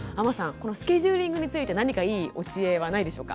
このスケジューリングについて何かいいお知恵はないでしょうか？